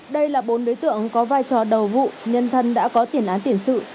đây là bốn đối tượng có vai trò đầu vụ nhân thân đã có tiền án tiền sự